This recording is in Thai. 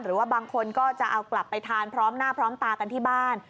หรือว่าบางคนก็จะเอากลับไปทานพร้อมหน้าพร้อมตากันที่บ้าน